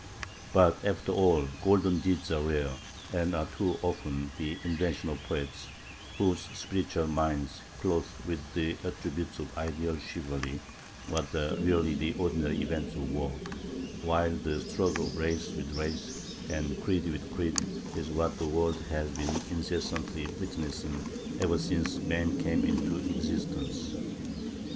But after all, golden deeds are rare, and are too often the invention of poets, whose spiritual minds clothe with the attributes of ideal chivalry what are really the ordinary events of war; while the struggle of race with race and creed with creed is what the world has been incessantly witnessing ever since man came into existence.